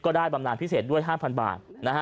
ก็ได้บำนานพิเศษด้วย๕๐๐๐บาท